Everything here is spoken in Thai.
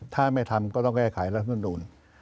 ถ้าไม่ทำก็ต้องแก้ไขรัฐมนูล